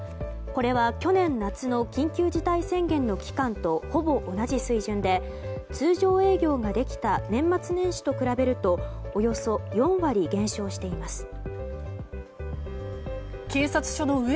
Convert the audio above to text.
これは去年夏の緊急事態宣言の期間とほぼ同じ水準で通常営業ができた年末年始と比べるとおよそ４割減少しています。